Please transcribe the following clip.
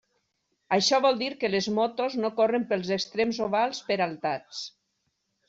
Això vol dir que les motos no corren pels extrems ovals peraltats.